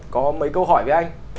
có mấy câu hỏi về anh